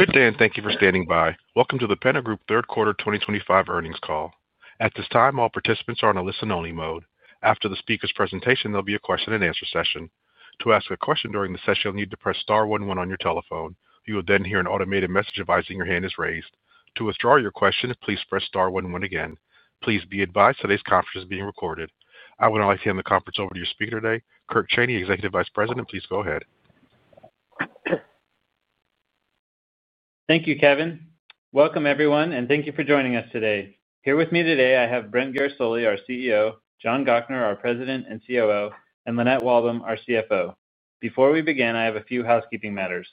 Good day, and thank you for standing by. Welcome to the Pennant Group third quarter 2025 earnings call. At this time, all participants are on a listen-only mode. After the speaker's presentation, there'll be a question-and-answer session. To ask a question during the session, you'll need to press star 11 on your telephone. You will then hear an automated message advising your hand is raised. To withdraw your question, please press star 11 again. Please be advised today's conference is being recorded. I would now like to hand the conference over to your speaker today, Kirk Cheney, Executive Vice President. Please go ahead. Thank you, Kevin. Welcome, everyone, and thank you for joining us today. Here with me today, I have Brent Guerisoli, our CEO; John Gochnour, our President and COO; and Lynette Walbom, our CFO. Before we begin, I have a few housekeeping matters.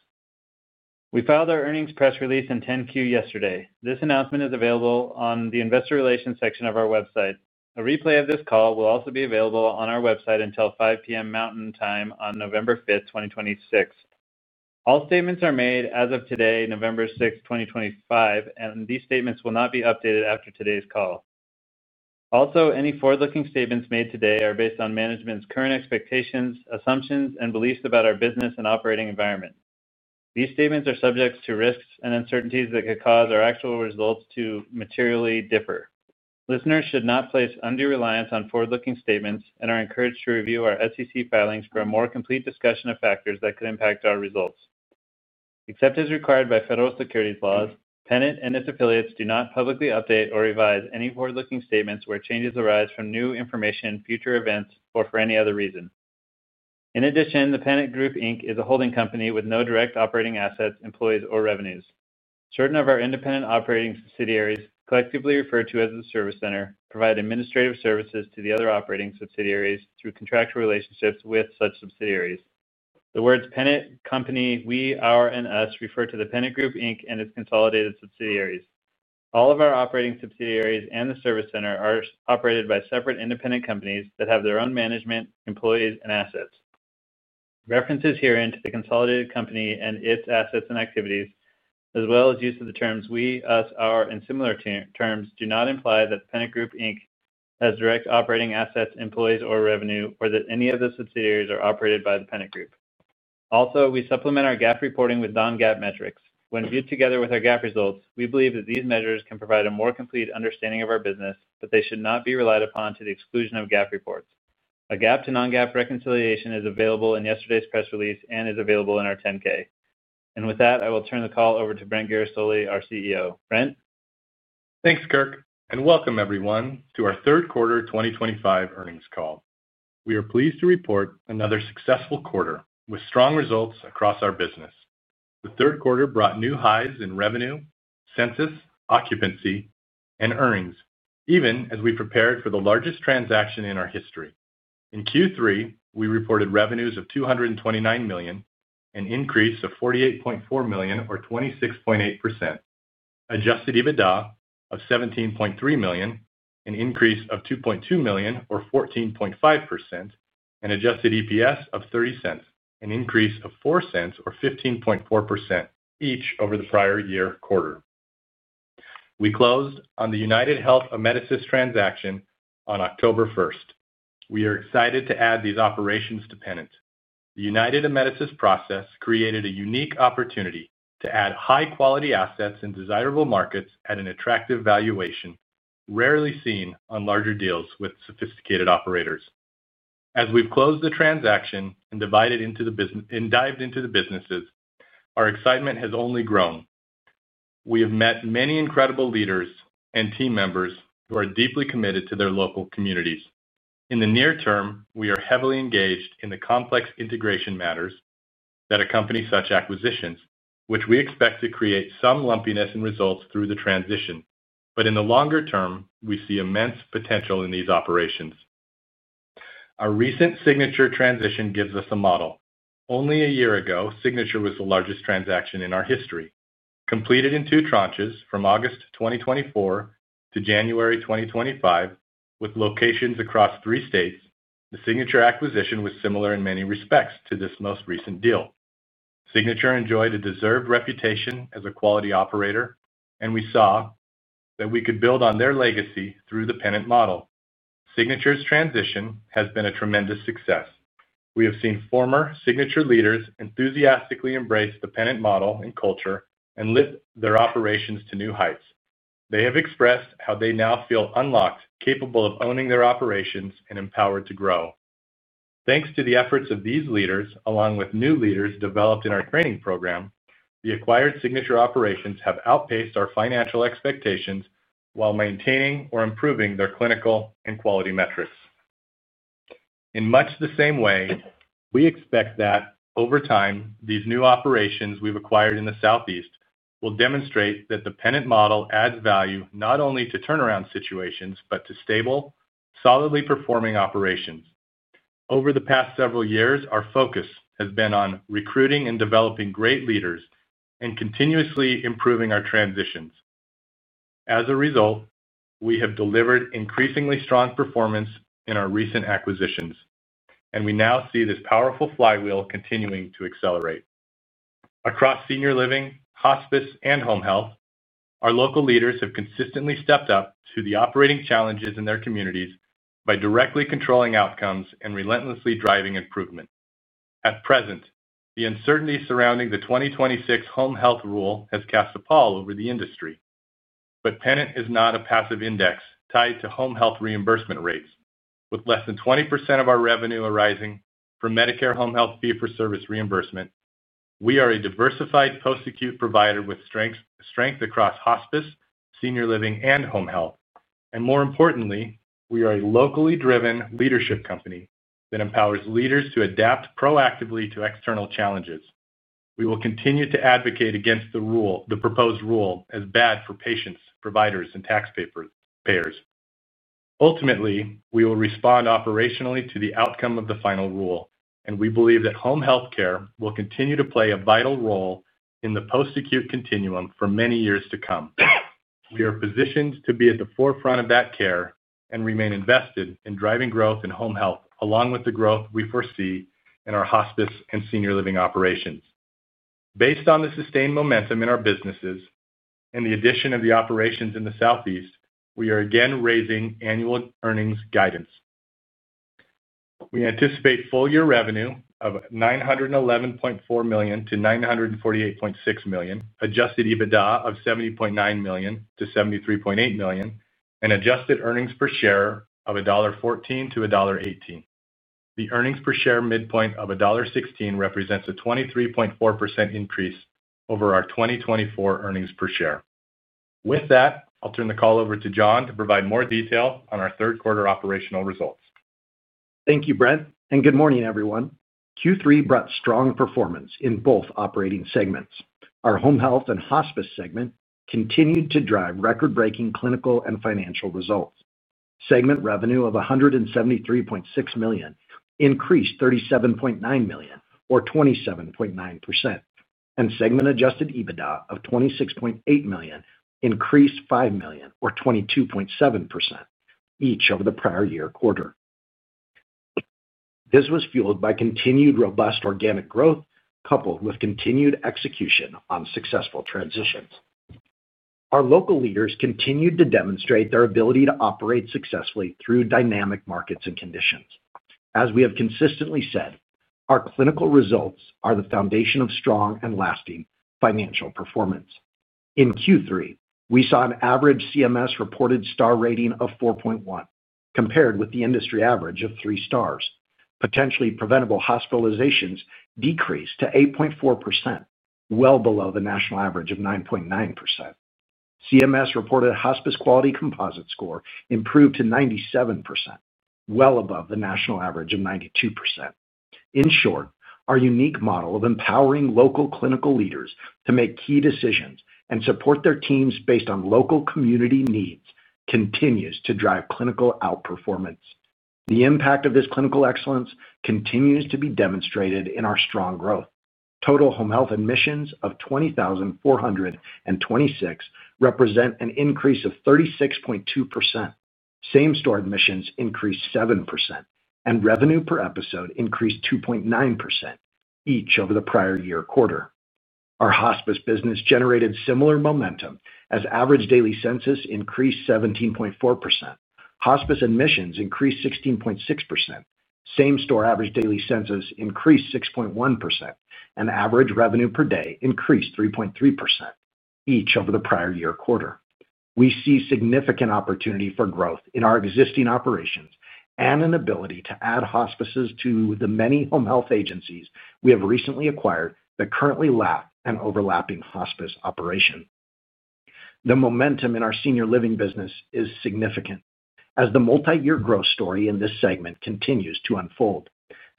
We filed our earnings press release and 10-Q yesterday. This announcement is available on the Investor Relations section of our website. A replay of this call will also be available on our website until 5:00 P.M. Mountain Time on November 5th, 2026. All statements are made as of today, November 6, 2025, and these statements will not be updated after today's call. Also, any forward-looking statements made today are based on management's current expectations, assumptions, and beliefs about our business and operating environment. These statements are subject to risks and uncertainties that could cause our actual results to materially differ. Listeners should not place undue reliance on forward-looking statements and are encouraged to review our SEC filings for a more complete discussion of factors that could impact our results. Except as required by federal securities laws, Pennant and its affiliates do not publicly update or revise any forward-looking statements where changes arise from new information, future events, or for any other reason. In addition, the Pennant Group is a holding company with no direct operating assets, employees, or revenues. Certain of our independent operating subsidiaries, collectively referred to as the service center, provide administrative services to the other operating subsidiaries through contractual relationships with such subsidiaries. The words Pennant, Company, We, Our, and Us refer to the Pennant Group and its consolidated subsidiaries. All of our operating subsidiaries and the service center are operated by separate independent companies that have their own management, employees, and assets. References herein to the consolidated company and its assets and activities, as well as use of the terms we, us, our, and similar terms, do not imply that The Pennant Group has direct operating assets, employees, or revenue, or that any of the subsidiaries are operated by The Pennant Group. Also, we supplement our GAAP reporting with non-GAAP metrics. When viewed together with our GAAP results, we believe that these measures can provide a more complete understanding of our business, but they should not be relied upon to the exclusion of GAAP reports. A GAAP to non-GAAP reconciliation is available in yesterday's press release and is available in our 10-K. With that, I will turn the call over to Brent Guerisoli, our CEO. Brent? Thanks, Kirk. Welcome, everyone, to our third quarter 2025 earnings call. We are pleased to report another successful quarter with strong results across our business. The third quarter brought new highs in revenue, census, occupancy, and earnings, even as we prepared for the largest transaction in our history. In Q3, we reported revenues of $229 million, an increase of $48.4 million, or 26.8%. Adjusted EBITDA of $17.3 million, an increase of $2.2 million, or 14.5%, and adjusted EPS of $0.30, an increase of $0.04, or 15.4%, each over the prior year quarter. We closed on the UnitedHealth Amedisys transaction on October 1. We are excited to add these operations to Pennant. The UnitedHealth Amedisys process created a unique opportunity to add high-quality assets in desirable markets at an attractive valuation rarely seen on larger deals with sophisticated operators. As we've closed the transaction and divided into the businesses, our excitement has only grown. We have met many incredible leaders and team members who are deeply committed to their local communities. In the near term, we are heavily engaged in the complex integration matters that accompany such acquisitions, which we expect to create some lumpiness in results through the transition. In the longer term, we see immense potential in these operations. Our recent Signature transition gives us a model. Only a year ago, Signature was the largest transaction in our history. Completed in two tranches from August 2024 to January 2025, with locations across three states, the Signature acquisition was similar in many respects to this most recent deal. Signature enjoyed a deserved reputation as a quality operator, and we saw that we could build on their legacy through the Pennant model. Signature's transition has been a tremendous success. We have seen former Signature leaders enthusiastically embrace the Pennant model and culture and lift their operations to new heights. They have expressed how they now feel unlocked, capable of owning their operations, and empowered to grow. Thanks to the efforts of these leaders, along with new leaders developed in our training program, the acquired Signature operations have outpaced our financial expectations while maintaining or improving their clinical and quality metrics. In much the same way, we expect that, over time, these new operations we've acquired in the Southeast will demonstrate that the Pennant model adds value not only to turnaround situations but to stable, solidly performing operations. Over the past several years, our focus has been on recruiting and developing great leaders and continuously improving our transitions. As a result, we have delivered increasingly strong performance in our recent acquisitions, and we now see this powerful flywheel continuing to accelerate. Across senior living, hospice, and home health, our local leaders have consistently stepped up to the operating challenges in their communities by directly controlling outcomes and relentlessly driving improvement. At present, the uncertainty surrounding the 2026 home health rule has cast a pall over the industry. Pennant is not a passive index tied to home health reimbursement rates. With less than 20% of our revenue arising from Medicare home health fee-for-service reimbursement, we are a diversified post-acute provider with strength across hospice, senior living, and home health. More importantly, we are a locally driven leadership company that empowers leaders to adapt proactively to external challenges. We will continue to advocate against the proposed rule as bad for patients, providers, and taxpayers. Ultimately, we will respond operationally to the outcome of the final rule, and we believe that home health care will continue to play a vital role in the post-acute continuum for many years to come. We are positioned to be at the forefront of that care and remain invested in driving growth in home health along with the growth we foresee in our hospice and senior living operations. Based on the sustained momentum in our businesses and the addition of the operations in the Southeast, we are again raising annual earnings guidance. We anticipate full-year revenue of $911.4 million-$948.6 million, adjusted EBITDA of $70.9 million-$73.8 million, and adjusted earnings per share of $1.14-$1.18. The earnings per share midpoint of $1.16 represents a 23.4% increase over our 2024 earnings per share. With that, I'll turn the call over to John to provide more detail on our third quarter operational results. Thank you, Brent. Good morning, everyone. Q3 brought strong performance in both operating segments. Our Home Health and Hospice segment continued to drive record-breaking clinical and financial results. Segment revenue of $173.6 million increased $37.9 million, or 27.9%, and segment-adjusted EBITDA of $26.8 million increased $5 million, or 22.7%, each over the prior year quarter. This was fueled by continued robust organic growth coupled with continued execution on successful transitions. Our local leaders continued to demonstrate their ability to operate successfully through dynamic markets and conditions. As we have consistently said, our clinical results are the foundation of strong and lasting financial performance. In Q3, we saw an average CMS reported star rating of 4.1 compared with the industry average of three stars. Potentially preventable hospitalizations decreased to 8.4%, well below the national average of 9.9%. CMS reported hospice quality composite score improved to 97%, well above the national average of 92%. In short, our unique model of empowering local clinical leaders to make key decisions and support their teams based on local community needs continues to drive clinical outperformance. The impact of this clinical excellence continues to be demonstrated in our strong growth. Total home health admissions of 20,426 represent an increase of 36.2%. Same-store admissions increased 7%, and revenue per episode increased 2.9%, each over the prior year quarter. Our hospice business generated similar momentum as average daily census increased 17.4%. Hospice admissions increased 16.6%. Same-store average daily census increased 6.1%, and average revenue per day increased 3.3%, each over the prior year quarter. We see significant opportunity for growth in our existing operations and an ability to add hospices to the many home health agencies we have recently acquired that currently lack an overlapping hospice operation. The momentum in our senior living business is significant as the multi-year growth story in this segment continues to unfold.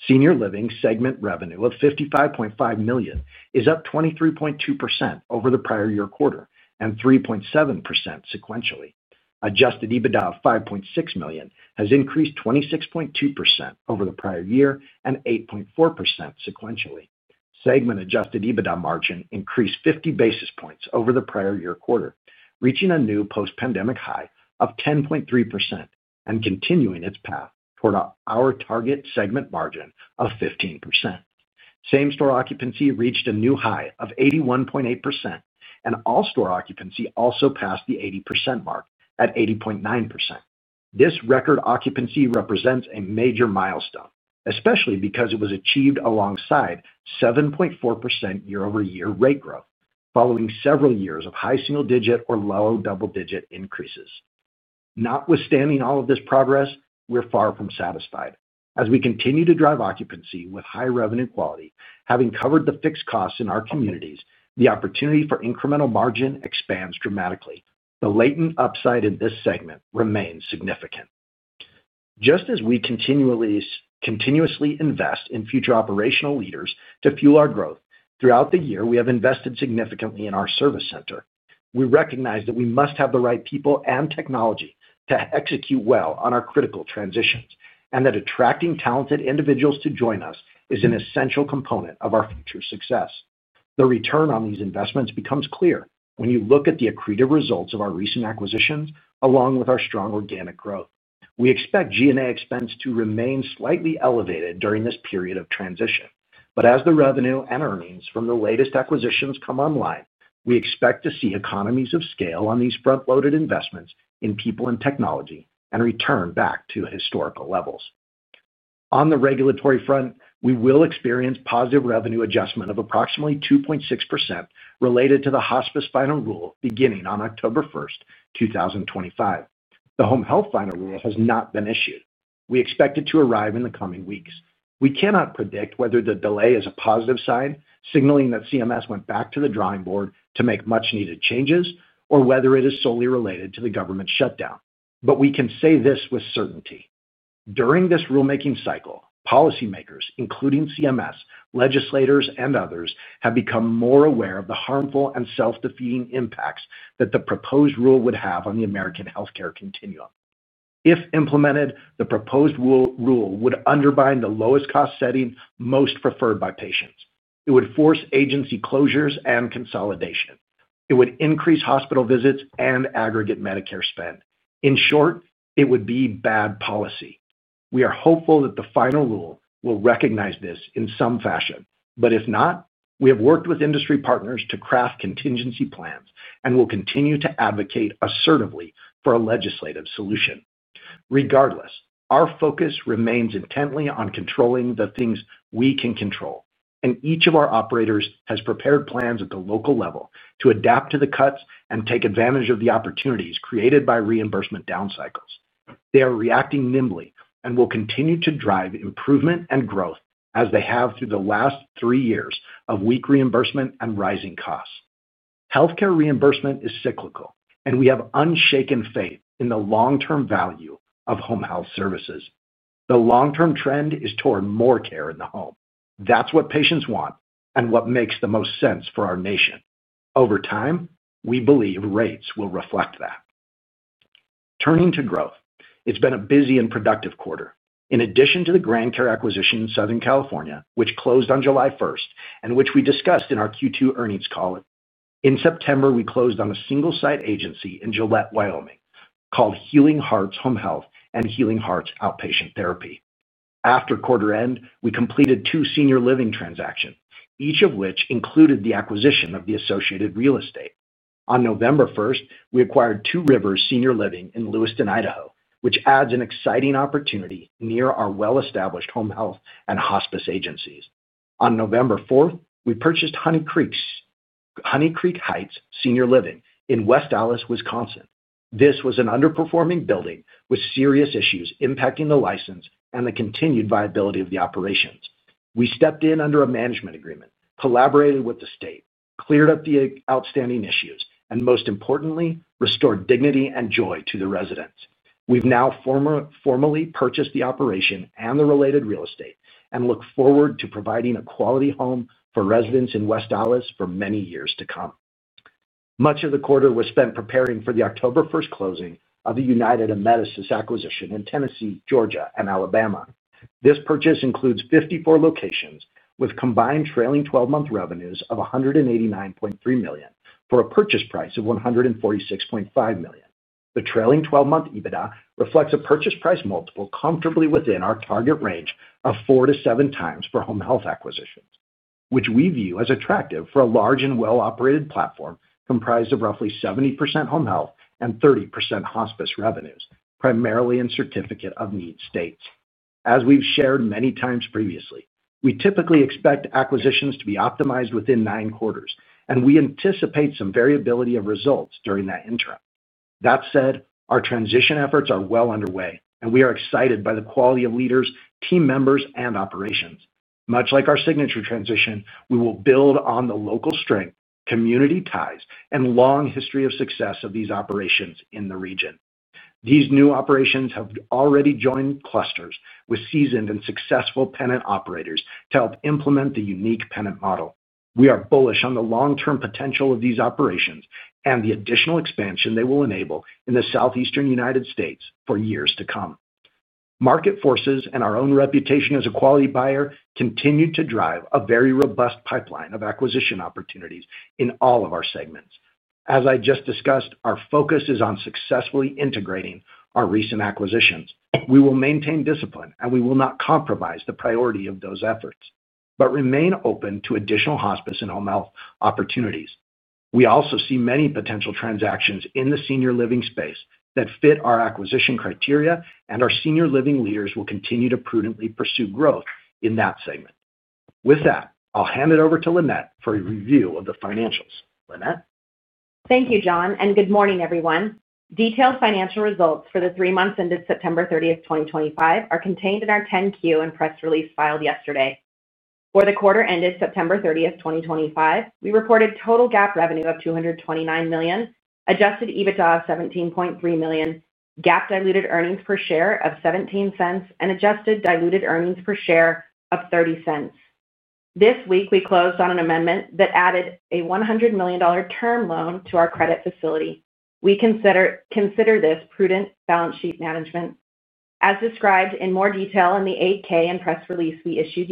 Senior living segment revenue of $55.5 million is up 23.2% over the prior year quarter and 3.7% sequentially. Adjusted EBITDA of $5.6 million has increased 26.2% over the prior year and 8.4% sequentially. Segment-adjusted EBITDA margin increased 50 basis points over the prior year quarter, reaching a new post-pandemic high of 10.3% and continuing its path toward our target segment margin of 15%. Same-store occupancy reached a new high of 81.8%, and all-store occupancy also passed the 80% mark at 80.9%. This record occupancy represents a major milestone, especially because it was achieved alongside 7.4% year-over-year rate growth following several years of high single-digit or low double-digit increases. Notwithstanding all of this progress, we're far from satisfied. As we continue to drive occupancy with high revenue quality, having covered the fixed costs in our communities, the opportunity for incremental margin expands dramatically. The latent upside in this segment remains significant. Just as we continuously invest in future operational leaders to fuel our growth, throughout the year we have invested significantly in our service center. We recognize that we must have the right people and technology to execute well on our critical transitions and that attracting talented individuals to join us is an essential component of our future success. The return on these investments becomes clear when you look at the accretive results of our recent acquisitions along with our strong organic growth. We expect G&A expense to remain slightly elevated during this period of transition. As the revenue and earnings from the latest acquisitions come online, we expect to see economies of scale on these front-loaded investments in people and technology and return back to historical levels. On the regulatory front, we will experience a positive revenue adjustment of approximately 2.6% related to the Hospice Final Rule beginning on October 1, 2025. The Home Health Final Rule has not been issued. We expect it to arrive in the coming weeks. We cannot predict whether the delay is a positive sign, signaling that CMS went back to the drawing board to make much-needed changes, or whether it is solely related to the government shutdown. We can say this with certainty. During this rulemaking cycle, policymakers, including CMS, legislators, and others, have become more aware of the harmful and self-defeating impacts that the proposed rule would have on the American healthcare continuum. If implemented, the proposed rule would undermine the lowest cost setting most preferred by patients. It would force agency closures and consolidation. It would increase hospital visits and aggregate Medicare spend. In short, it would be bad policy. We are hopeful that the final rule will recognize this in some fashion. If not, we have worked with industry partners to craft contingency plans and will continue to advocate assertively for a legislative solution. Regardless, our focus remains intently on controlling the things we can control, and each of our operators has prepared plans at the local level to adapt to the cuts and take advantage of the opportunities created by reimbursement down cycles. They are reacting nimbly and will continue to drive improvement and growth as they have through the last three years of weak reimbursement and rising costs. Healthcare reimbursement is cyclical, and we have unshaken faith in the long-term value of home health services. The long-term trend is toward more care in the home. That's what patients want and what makes the most sense for our nation. Over time, we believe rates will reflect that. Turning to growth, it's been a busy and productive quarter. In addition to the Grand Care acquisition in Southern California, which closed on July 1 and which we discussed in our Q2 earnings call, in September, we closed on a single-site agency in Gillette, Wyoming, called Healing Hearts Home Health and Healing Hearts Outpatient Therapy. After quarter-end, we completed two senior living transactions, each of which included the acquisition of the associated real estate. On November 1, we acquired Two Rivers Senior Living in Lewiston, Idaho, which adds an exciting opportunity near our well-established home health and hospice agencies. On November 4, we purchased Honey Creek Heights Senior Living in West Allis, Wisconsin. This was an underperforming building with serious issues impacting the license and the continued viability of the operations. We stepped in under a management agreement, collaborated with the state, cleared up the outstanding issues, and most importantly, restored dignity and joy to the residents. We've now formally purchased the operation and the related real estate and look forward to providing a quality home for residents in West Allis for many years to come. Much of the quarter was spent preparing for the October 1 closing of the UnitedHealth Amedisys acquisition in Tennessee, Georgia, and Alabama. This purchase includes 54 locations with combined trailing 12-month revenues of $189.3 million for a purchase price of $146.5 million. The trailing 12-month EBITDA reflects a purchase price multiple comfortably within our target range of 4-7 times for home health acquisitions, which we view as attractive for a large and well-operated platform comprised of roughly 70% home health and 30% hospice revenues, primarily in certificate-of-need states. As we've shared many times previously, we typically expect acquisitions to be optimized within nine quarters, and we anticipate some variability of results during that interim. That said, our transition efforts are well underway, and we are excited by the quality of leaders, team members, and operations. Much like our Signature transition, we will build on the local strength, community ties, and long history of success of these operations in the region. These new operations have already joined clusters with seasoned and successful Pennant operators to help implement the unique Pennant model. We are bullish on the long-term potential of these operations and the additional expansion they will enable in the southeastern United States for years to come. Market forces and our own reputation as a quality buyer continue to drive a very robust pipeline of acquisition opportunities in all of our segments. As I just discussed, our focus is on successfully integrating our recent acquisitions. We will maintain discipline, and we will not compromise the priority of those efforts but remain open to additional hospice and home health opportunities. We also see many potential transactions in the senior living space that fit our acquisition criteria, and our senior living leaders will continue to prudently pursue growth in that segment. With that, I'll hand it over to Lynette for a review of the financials. Lynette? Thank you, John, and good morning, everyone. Detailed financial results for the three months ended September 30, 2025, are contained in our 10-Q and press release filed yesterday. For the quarter ended September 30, 2025, we reported total GAAP revenue of $229 million, adjusted EBITDA of $17.3 million, GAAP diluted earnings per share of $0.17, and adjusted diluted earnings per share of $0.30. This week, we closed on an amendment that added a $100 million term loan to our credit facility. We consider this prudent balance sheet management. As described in more detail in the 8-K and press release we issued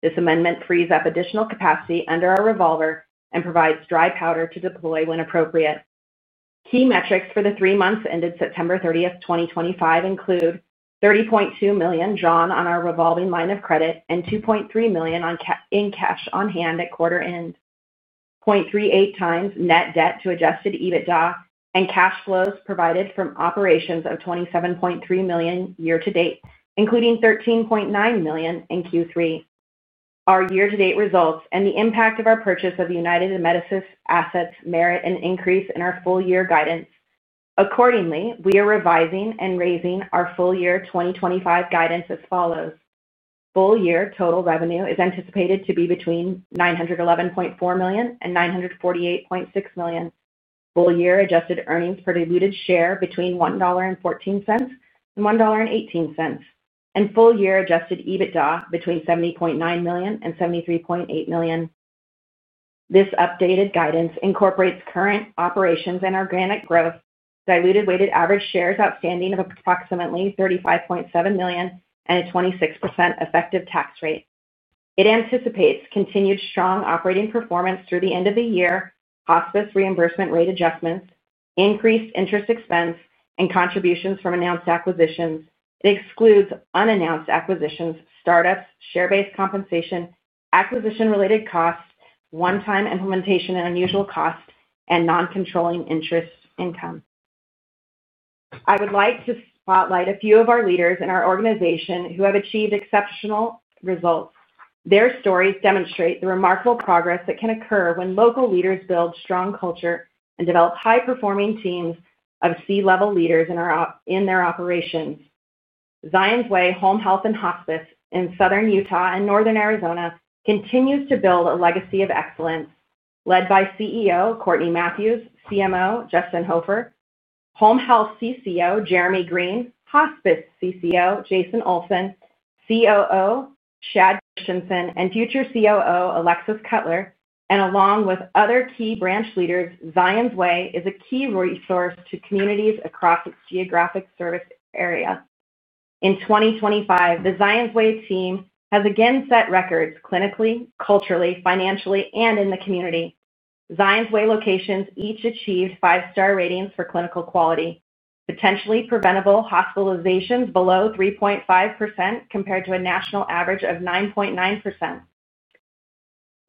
yesterday, this amendment frees up additional capacity under our revolver and provides dry powder to deploy when appropriate. Key metrics for the three months ended September 30, 2025, include $30.2 million drawn on our revolving line of credit and $2.3 million in cash on hand at quarter-end, 0.38 times net debt to adjusted EBITDA, and cash flows provided from operations of $27.3 million year to date, including $13.9 million in Q3. Our year-to-date results and the impact of our purchase of UnitedHealth assets merit an increase in our full-year guidance. Accordingly, we are revising and raising our full-year 2025 guidance as follows. Full-year total revenue is anticipated to be between $911.4 million and $948.6 million. Full-year adjusted earnings per diluted share between $1.14 and $1.18, and full-year adjusted EBITDA between $70.9 million and $73.8 million. This updated guidance incorporates current operations and our Granite growth, diluted weighted average shares outstanding of approximately 35.7 million and a 26% effective tax rate. It anticipates continued strong operating performance through the end of the year, hospice reimbursement rate adjustments, increased interest expense, and contributions from announced acquisitions. It excludes unannounced acquisitions, startups, share-based compensation, acquisition-related costs, one-time implementation and unusual costs, and non-controlling interest income. I would like to spotlight a few of our leaders in our organization who have achieved exceptional results. Their stories demonstrate the remarkable progress that can occur when local leaders build strong culture and develop high-performing teams of C-level leaders in their operations. Zion's Way Home Health and Hospice in Southern Utah and Northern Arizona continues to build a legacy of excellence. Led by CEO Courtney Matthews, CMO Justin Hoffer, Home Health CCO Jeremy Green, Hospice CCO Jason Olson, COO Chad Christianson, and future COO Alexis Cutler, and along with other key branch leaders, Zion's Way is a key resource to communities across its geographic service area. In 2025, the Zion's Way team has again set records clinically, culturally, financially, and in the community. Zion's Way locations each achieved five-star ratings for clinical quality, potentially preventable hospitalizations below 3.5% compared to a national average of 9.9%.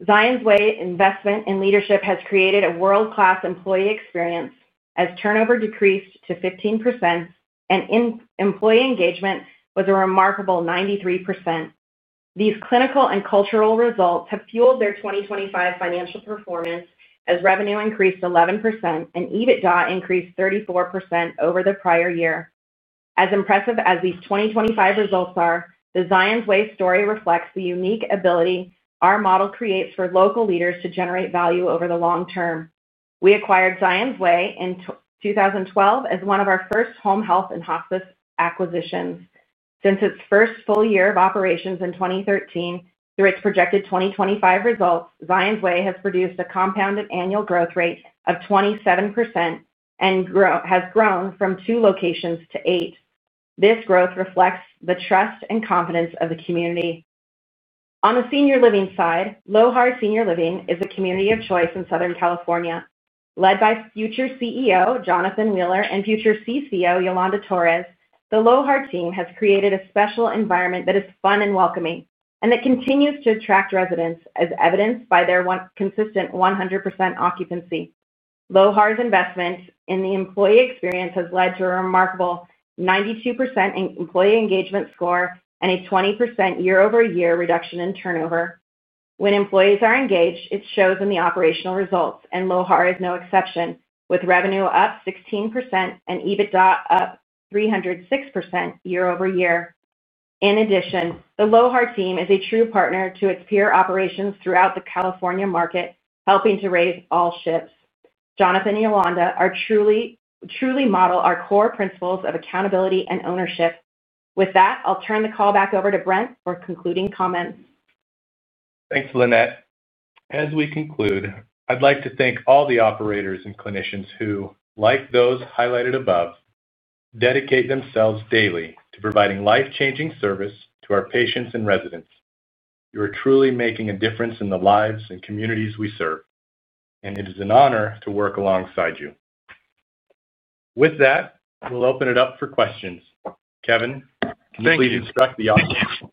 Zion's Way investment in leadership has created a world-class employee experience as turnover decreased to 15% and employee engagement was a remarkable 93%. These clinical and cultural results have fueled their 2025 financial performance as revenue increased 11% and EBITDA increased 34% over the prior year. As impressive as these 2025 results are, the Zion's Way story reflects the unique ability our model creates for local leaders to generate value over the long term. We acquired Zion's Way in 2012 as one of our first home health and hospice acquisitions. Since its first full year of operations in 2013, through its projected 2025 results, Zion's Way has produced a compounded annual growth rate of 27% and has grown from two locations to eight. This growth reflects the trust and confidence of the community. On the senior living side, Lowhart Senior Living is a community of choice in Southern California. Led by future CEO Jonathan Wheeler and future CCO Yolanda Torres, the Lowhart team has created a special environment that is fun and welcoming and that continues to attract residents, as evidenced by their consistent 100% occupancy. Lowhart's investment in the employee experience has led to a remarkable 92% employee engagement score and a 20% year-over-year reduction in turnover. When employees are engaged, it shows in the operational results, and Lowhart is no exception, with revenue up 16% and EBITDA up 306% year-over-year. In addition, the Lowhart team is a true partner to its peer operations throughout the California market, helping to raise all ships. Jonathan and Yolanda truly model our core principles of accountability and ownership. With that, I'll turn the call back over to Brent for concluding comments. Thanks, Lynette. As we conclude, I'd like to thank all the operators and clinicians who, like those highlighted above, dedicate themselves daily to providing life-changing service to our patients and residents. You are truly making a difference in the lives and communities we serve, and it is an honor to work alongside you. With that, we'll open it up for questions. Kevin, please instruct the audience.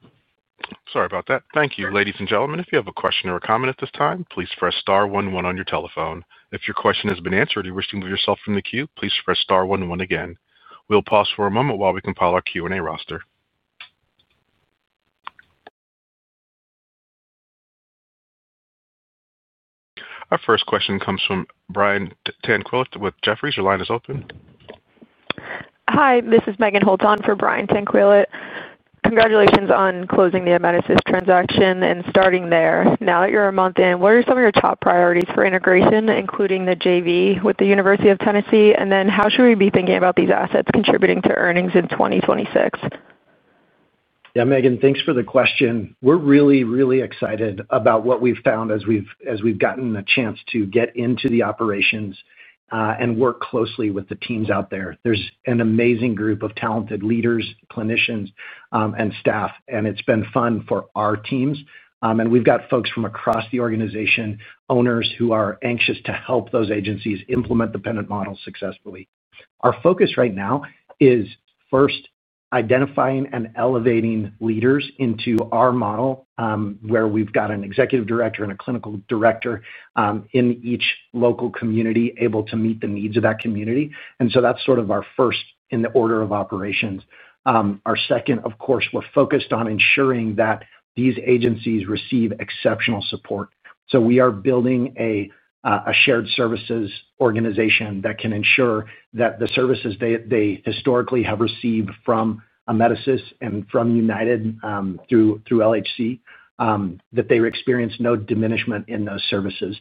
Thank you. Sorry about that. Thank you, ladies and gentlemen. If you have a question or a comment at this time, please press star 11 on your telephone. If your question has been answered or you wish to move yourself from the queue, please press star 11 again. We will pause for a moment while we compile our Q&A roster. Our first question comes from Brian Tanquilut with Jefferies. Your line is open. Hi, this is Megan Holton for Brian Tanquilut. Congratulations on closing the Amedisys transaction and starting there. Now that you're a month in, what are some of your top priorities for integration, including the JV with the University of Tennessee? How should we be thinking about these assets contributing to earnings in 2026? Yeah, Megan, thanks for the question. We're really, really excited about what we've found as we've gotten a chance to get into the operations and work closely with the teams out there. There's an amazing group of talented leaders, clinicians, and staff, and it's been fun for our teams. We've got folks from across the organization, owners who are anxious to help those agencies implement the Pennant model successfully. Our focus right now is first identifying and elevating leaders into our model, where we've got an Executive Director and a Clinical Director in each local community able to meet the needs of that community. That's sort of our first in the order of operations. Our second, of course, we're focused on ensuring that these agencies receive exceptional support. We are building a shared services organization that can ensure that the services they historically have received from Amedisys and from UnitedHealth through LHC Group, that they experience no diminishment in those services.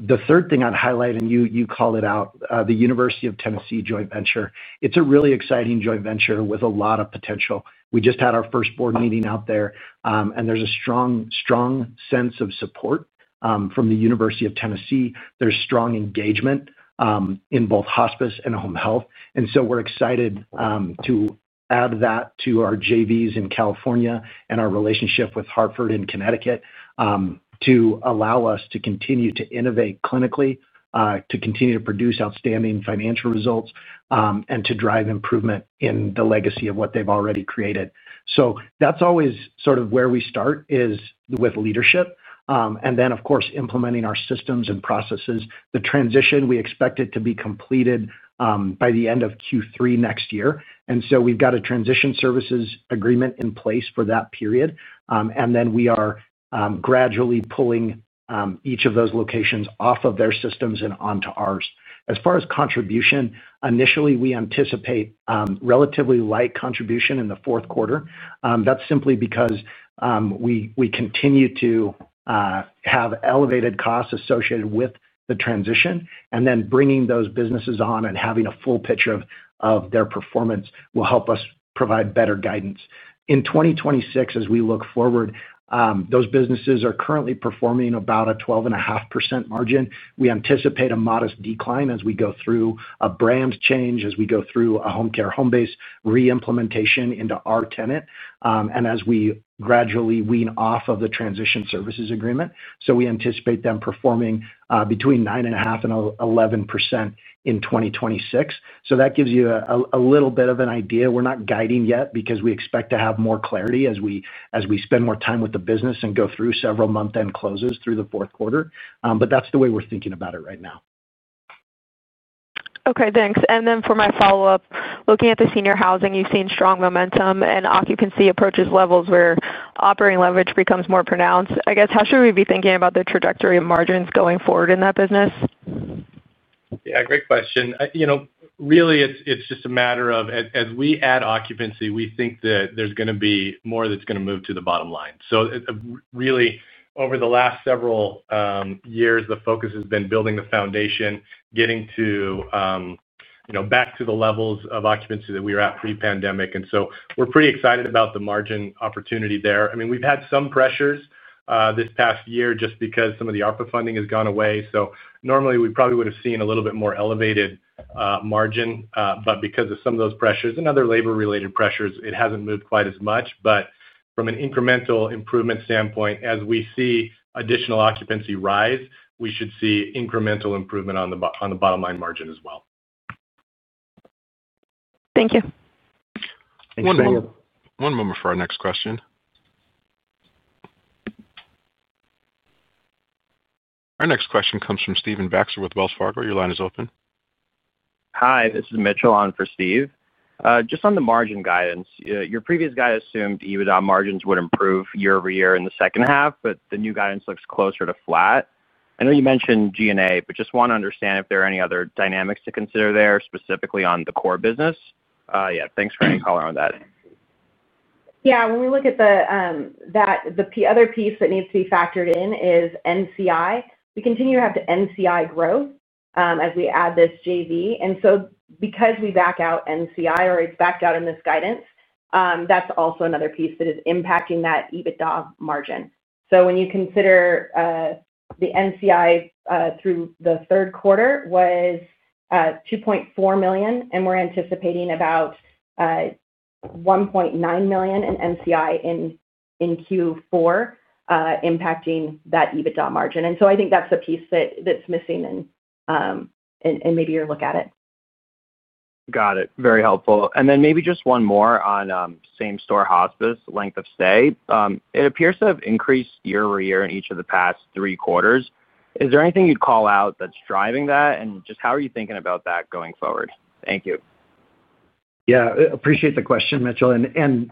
The third thing I'd highlight, and you called it out, the University of Tennessee joint venture. It's a really exciting joint venture with a lot of potential. We just had our first board meeting out there, and there's a strong sense of support from the University of Tennessee. There's strong engagement. In both hospice and home health. We are excited to add that to our JVs in California and our relationship with Hartford HealthCare in Connecticut to allow us to continue to innovate clinically, to continue to produce outstanding financial results, and to drive improvement in the legacy of what they've already created. That's always sort of where we start, is with leadership, and then, of course, implementing our systems and processes. The transition, we expect it to be completed by the end of Q3 next year. We have a transition services agreement in place for that period. We are gradually pulling each of those locations off of their systems and onto ours. As far as contribution, initially, we anticipate relatively light contribution in the fourth quarter. That's simply because we continue to have elevated costs associated with the transition, and then bringing those businesses on and having a full picture of their performance will help us provide better guidance. In 2026, as we look forward, those businesses are currently performing about a 12.5% margin. We anticipate a modest decline as we go through a brand change, as we go through a Homecare Homebase reimplementation into our tenant, and as we gradually wean off of the transition services agreement. We anticipate them performing between 9.5% and 11% in 2026. That gives you a little bit of an idea. We're not guiding yet because we expect to have more clarity as we spend more time with the business and go through several month-end closes through the fourth quarter. That's the way we're thinking about it right now. Okay, thanks. For my follow-up, looking at the senior housing, you've seen strong momentum and occupancy approaches levels where operating leverage becomes more pronounced. I guess, how should we be thinking about the trajectory of margins going forward in that business? Yeah, great question. Really, it's just a matter of, as we add occupancy, we think that there's going to be more that's going to move to the bottom line. Really, over the last several years, the focus has been building the foundation, getting back to the levels of occupancy that we were at pre-pandemic. We're pretty excited about the margin opportunity there. I mean, we've had some pressures this past year just because some of the ARPA funding has gone away. Normally, we probably would have seen a little bit more elevated margin. Because of some of those pressures and other labor-related pressures, it hasn't moved quite as much. From an incremental improvement standpoint, as we see additional occupancy rise, we should see incremental improvement on the bottom line margin as well. Thank you. One moment for our next question. Our next question comes from Stephen Baxter with Wells Fargo. Your line is open. Hi, this is Mitchell on for Steve. Just on the margin guidance, your previous guide assumed EBITDA margins would improve year-over-year in the second half, but the new guidance looks closer to flat. I know you mentioned G&A, but just want to understand if there are any other dynamics to consider there, specifically on the core business. Yeah, thanks for any color on that. Yeah, when we look at the other piece that needs to be factored in is NCI. We continue to have NCI growth as we add this JV. And so because we back out NCI, or it's backed out in this guidance, that's also another piece that is impacting that EBITDA margin. When you consider the NCI through the third quarter was $2.4 million, and we're anticipating about $1.9 million in NCI in Q4, impacting that EBITDA margin. I think that's the piece that's missing in maybe your look at it. Got it. Very helpful. Maybe just one more on same-store hospice length of stay. It appears to have increased year-over-year in each of the past three quarters. Is there anything you would call out that is driving that? Just how are you thinking about that going forward? Thank you. Yeah, appreciate the question, Mitchell.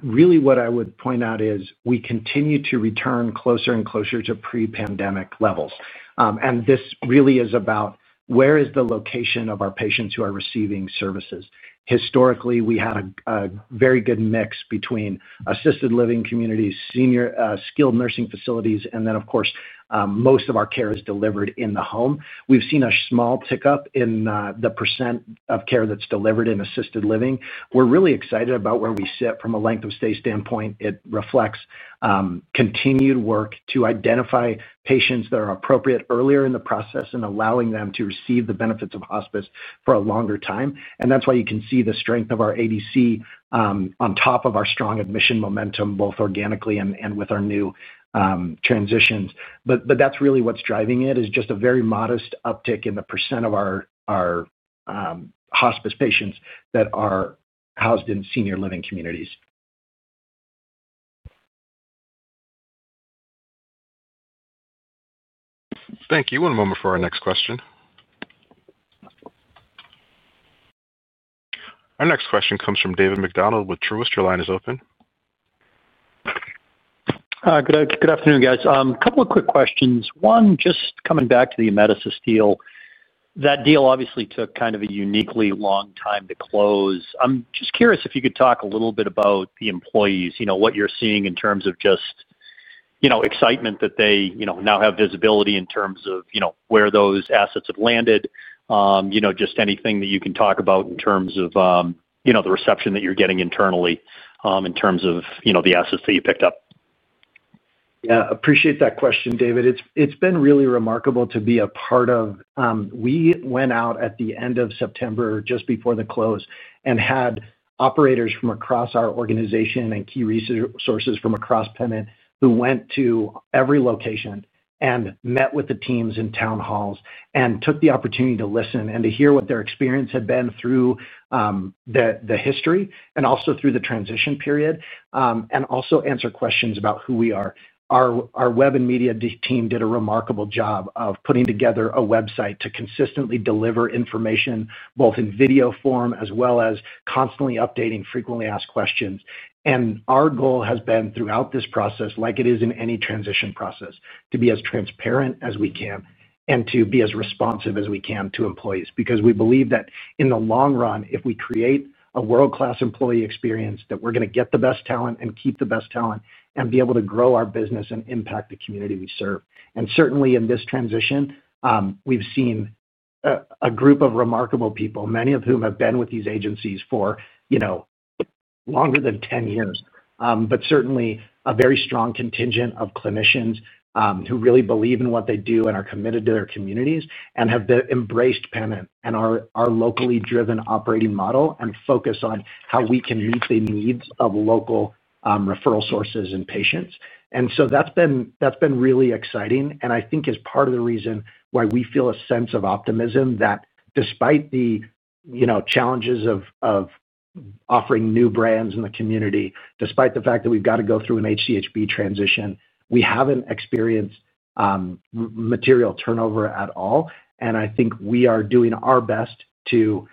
Really what I would point out is we continue to return closer and closer to pre-pandemic levels. This really is about where is the location of our patients who are receiving services. Historically, we had a very good mix between assisted living communities, skilled nursing facilities, and then, of course, most of our care is delivered in the home. We've seen a small pickup in the % of care that's delivered in assisted living. We're really excited about where we sit from a length of stay standpoint. It reflects continued work to identify patients that are appropriate earlier in the process and allowing them to receive the benefits of hospice for a longer time. That's why you can see the strength of our ADC. On top of our strong admission momentum, both organically and with our new transitions. That is really what's driving it, is just a very modest uptick in the % of our hospice patients that are housed in senior living communities. Thank you. One moment for our next question. Our next question comes from David Samuel MacDonald with Truist. Your line is open. Good afternoon, guys. A couple of quick questions. One, just coming back to the Amedisys deal, that deal obviously took kind of a uniquely long time to close. I'm just curious if you could talk a little bit about the employees, what you're seeing in terms of just excitement that they now have visibility in terms of where those assets have landed. Just anything that you can talk about in terms of the reception that you're getting internally in terms of the assets that you picked up. Yeah, appreciate that question, David. It's been really remarkable to be a part of. We went out at the end of September, just before the close, and had operators from across our organization and key resources from across Pennant who went to every location and met with the teams in town halls and took the opportunity to listen and to hear what their experience had been through. The history and also through the transition period and also answer questions about who we are. Our web and media team did a remarkable job of putting together a website to consistently deliver information, both in video form as well as constantly updating frequently asked questions. Our goal has been throughout this process, like it is in any transition process, to be as transparent as we can and to be as responsive as we can to employees because we believe that in the long run, if we create a world-class employee experience, that we're going to get the best talent and keep the best talent and be able to grow our business and impact the community we serve. Certainly, in this transition, we've seen a group of remarkable people, many of whom have been with these agencies for longer than 10 years, but certainly a very strong contingent of clinicians who really believe in what they do and are committed to their communities and have embraced Pennant and our locally driven operating model and focus on how we can meet the needs of local referral sources and patients. That's been really exciting. I think it is part of the reason why we feel a sense of optimism that despite the challenges of offering new brands in the community, despite the fact that we have to go through an HCHB transition, we have not experienced material turnover at all. I think we are doing our best to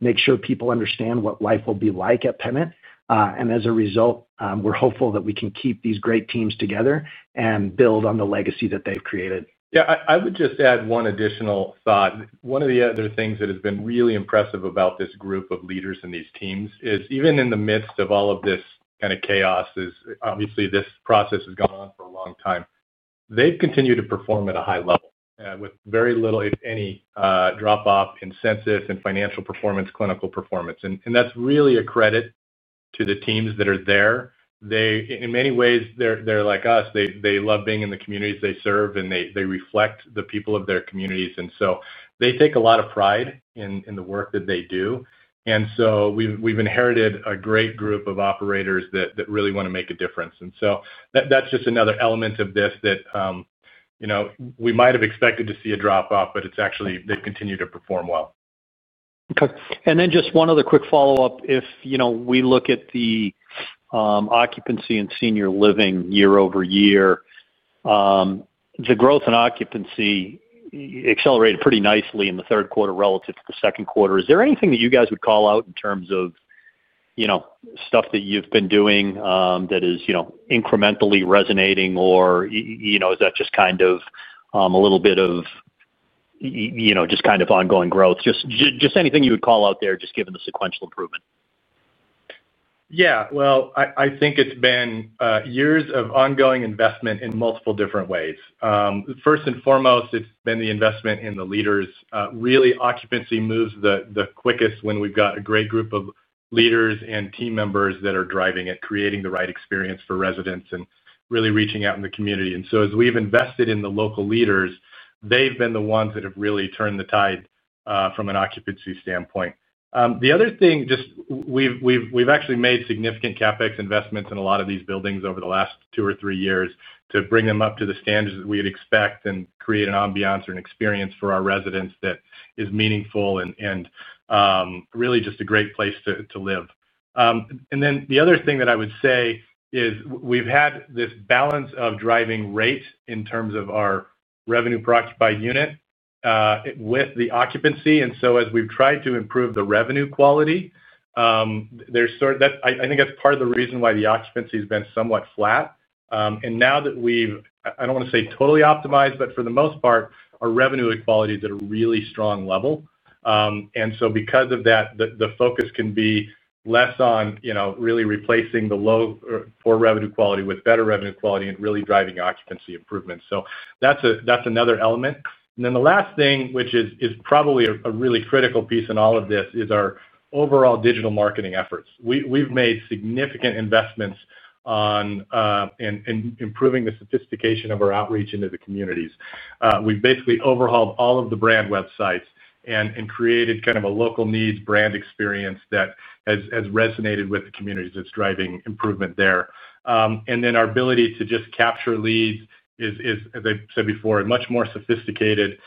make sure people understand what life will be like at Pennant. As a result, we are hopeful that we can keep these great teams together and build on the legacy that they have created. Yeah, I would just add one additional thought. One of the other things that has been really impressive about this group of leaders and these teams is even in the midst of all of this kind of chaos, obviously, this process has gone on for a long time. They have continued to perform at a high level with very little, if any, drop-off in census and financial performance, clinical performance. That is really a credit to the teams that are there. In many ways, they are like us. They love being in the communities they serve, and they reflect the people of their communities. They take a lot of pride in the work that they do. We have inherited a great group of operators that really want to make a difference. That is just another element of this that. We might have expected to see a drop-off, but it's actually they continue to perform well. Okay. And then just one other quick follow-up. If we look at the occupancy in senior living year-over-year, the growth in occupancy accelerated pretty nicely in the third quarter relative to the second quarter. Is there anything that you guys would call out in terms of stuff that you've been doing that is incrementally resonating, or is that just kind of a little bit of just kind of ongoing growth? Just anything you would call out there, just given the sequential improvement. Yeah. I think it's been years of ongoing investment in multiple different ways. First and foremost, it's been the investment in the leaders. Really, occupancy moves the quickest when we've got a great group of leaders and team members that are driving it, creating the right experience for residents and really reaching out in the community. As we've invested in the local leaders, they've been the ones that have really turned the tide from an occupancy standpoint. The other thing, just, we've actually made significant CapEx investments in a lot of these buildings over the last two or three years to bring them up to the standards that we would expect and create an ambiance or an experience for our residents that is meaningful and really just a great place to live. The other thing that I would say is we've had this balance of driving rate in terms of our revenue per occupied unit with the occupancy. As we've tried to improve the revenue quality, I think that's part of the reason why the occupancy has been somewhat flat. Now that we've, I don't want to say totally optimized, but for the most part, our revenue quality is at a really strong level. Because of that, the focus can be less on really replacing the low poor revenue quality with better revenue quality and really driving occupancy improvements. That's another element. The last thing, which is probably a really critical piece in all of this, is our overall digital marketing efforts. We've made significant investments on improving the sophistication of our outreach into the communities. We've basically overhauled all of the brand websites and created kind of a local needs brand experience that has resonated with the communities. It's driving improvement there. Our ability to just capture leads is, as I said before, much more sophisticated.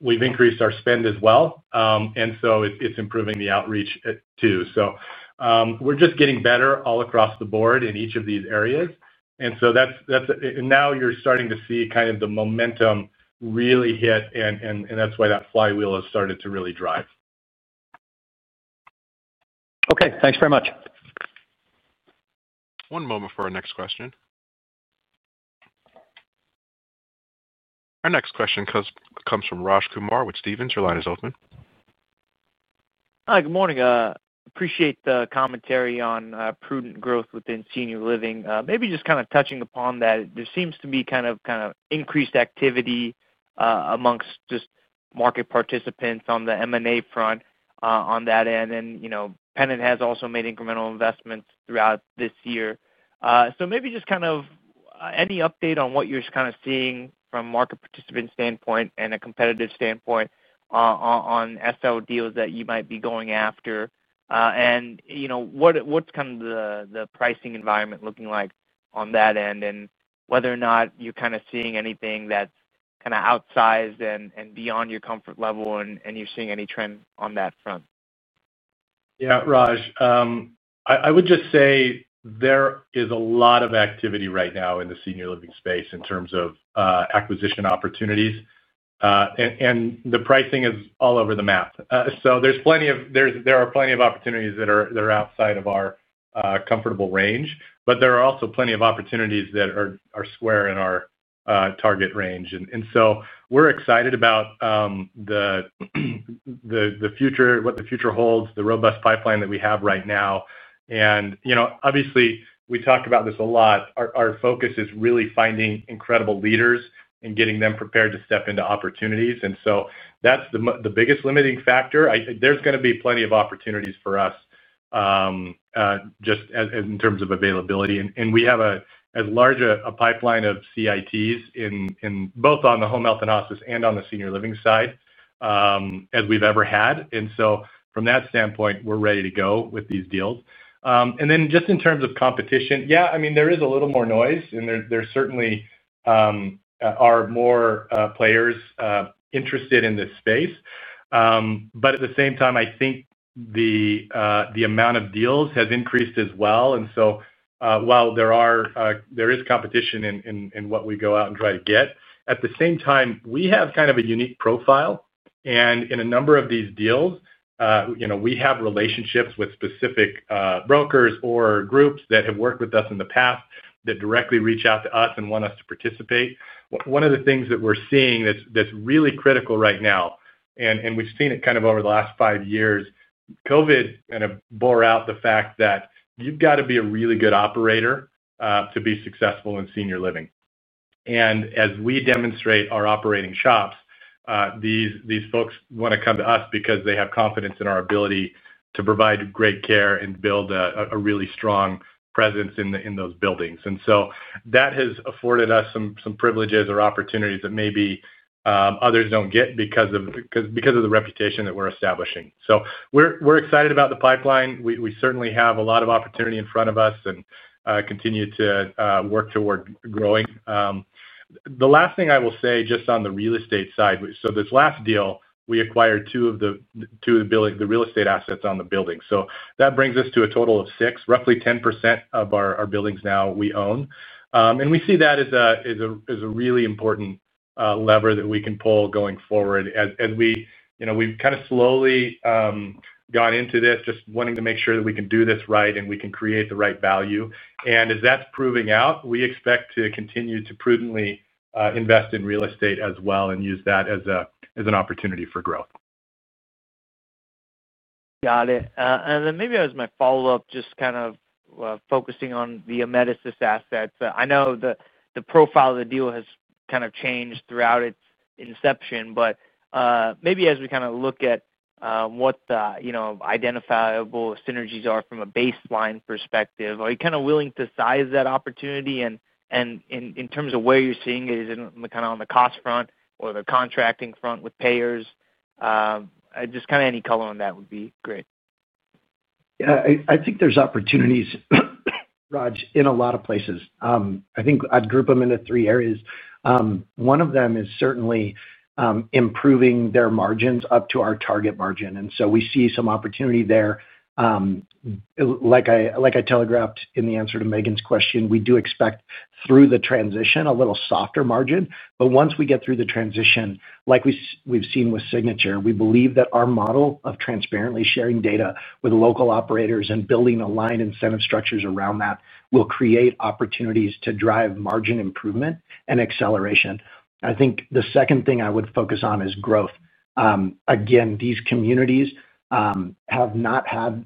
We've increased our spend as well. It's improving the outreach too. We're just getting better all across the board in each of these areas. Now you're starting to see kind of the momentum really hit, and that's why that flywheel has started to really drive. Okay. Thanks very much. One moment for our next question. Our next question comes from Raj Kumar with Stifel. Your line is open. Hi, good morning. Appreciate the commentary on prudent growth within senior living. Maybe just kind of touching upon that, there seems to be kind of increased activity amongst just market participants on the M&A front on that end. Pennant has also made incremental investments throughout this year. Maybe just kind of any update on what you're kind of seeing from a market participant standpoint and a competitive standpoint. On SL deals that you might be going after. What's kind of the pricing environment looking like on that end and whether or not you're kind of seeing anything that's kind of outsized and beyond your comfort level and you're seeing any trend on that front? Yeah, Raj. I would just say there is a lot of activity right now in the senior living space in terms of acquisition opportunities. The pricing is all over the map. There are plenty of opportunities that are outside of our comfortable range, but there are also plenty of opportunities that are square in our target range. We are excited about the future, what the future holds, the robust pipeline that we have right now. Obviously, we talk about this a lot. Our focus is really finding incredible leaders and getting them prepared to step into opportunities. That is the biggest limiting factor. There is going to be plenty of opportunities for us just in terms of availability. We have as large a pipeline of CITs both on the home health and hospice and on the senior living side as we have ever had. From that standpoint, we're ready to go with these deals. In terms of competition, yeah, I mean, there is a little more noise, and there certainly are more players interested in this space. At the same time, I think the amount of deals has increased as well. While there is competition in what we go out and try to get, at the same time, we have kind of a unique profile. In a number of these deals, we have relationships with specific brokers or groups that have worked with us in the past that directly reach out to us and want us to participate. One of the things that we're seeing that's really critical right now. We have seen it kind of over the last five years, COVID kind of bore out the fact that you have got to be a really good operator to be successful in senior living. As we demonstrate our operating chops, these folks want to come to us because they have confidence in our ability to provide great care and build a really strong presence in those buildings. That has afforded us some privileges or opportunities that maybe others do not get because of the reputation that we are establishing. We are excited about the pipeline. We certainly have a lot of opportunity in front of us and continue to work toward growing. The last thing I will say just on the real estate side, this last deal, we acquired two of the real estate assets on the building. That brings us to a total of six, roughly 10% of our buildings now we own. We see that as a really important lever that we can pull going forward as we've kind of slowly gone into this, just wanting to make sure that we can do this right and we can create the right value. As that's proving out, we expect to continue to prudently invest in real estate as well and use that as an opportunity for growth. Got it. And then maybe as my follow-up, just kind of focusing on the Amedisys assets. I know the profile of the deal has kind of changed throughout its inception, but maybe as we kind of look at what the identifiable synergies are from a baseline perspective, are you kind of willing to size that opportunity? And in terms of where you're seeing it, is it kind of on the cost front or the contracting front with payers? Just kind of any color on that would be great. Yeah, I think there's opportunities in a lot of places. I think I'd group them into three areas. One of them is certainly improving their margins up to our target margin. We see some opportunity there. Like I telegraphed in the answer to Megan's question, we do expect through the transition a little softer margin. Once we get through the transition, like we've seen with Signature, we believe that our model of transparently sharing data with local operators and building aligned incentive structures around that will create opportunities to drive margin improvement and acceleration. I think the second thing I would focus on is growth. Again, these communities have not had,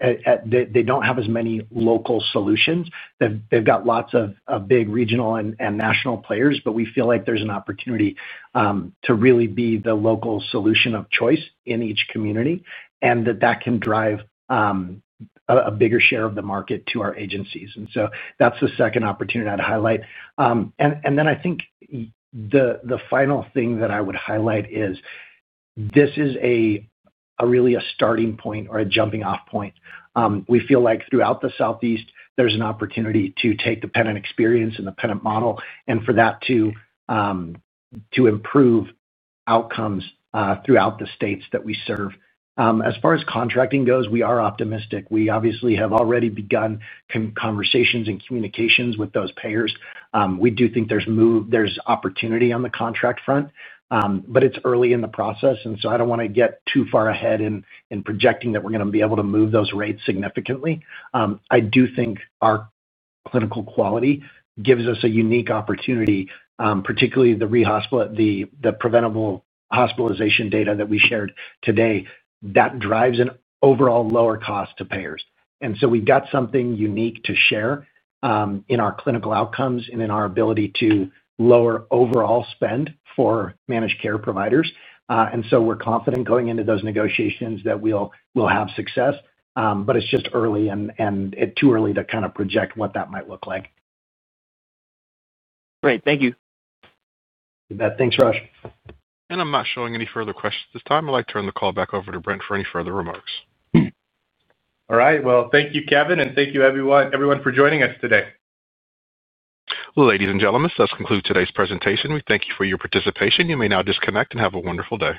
they don't have as many local solutions. They've got lots of big regional and national players, but we feel like there's an opportunity to really be the local solution of choice in each community and that that can drive a bigger share of the market to our agencies. That's the second opportunity I'd highlight. I think the final thing that I would highlight is this is really a starting point or a jumping-off point. We feel like throughout the Southeast, there's an opportunity to take the Pennant experience and the Pennant model and for that to improve outcomes throughout the states that we serve. As far as contracting goes, we are optimistic. We obviously have already begun conversations and communications with those payers. We do think there's opportunity on the contract front, but it's early in the process. I do not want to get too far ahead in projecting that we are going to be able to move those rates significantly. I do think our clinical quality gives us a unique opportunity, particularly the preventable hospitalization data that we shared today. That drives an overall lower cost to payers. We have something unique to share in our clinical outcomes and in our ability to lower overall spend for managed care providers. We are confident going into those negotiations that we will have success. It is just early and too early to kind of project what that might look like. Great. Thank you. Thanks, Raj. I'm not showing any further questions at this time. I'd like to turn the call back over to Brent for any further remarks. All right. Thank you, Kevin, and thank you, everyone, for joining us today. Ladies and gentlemen, this does conclude today's presentation. We thank you for your participation. You may now disconnect and have a wonderful day.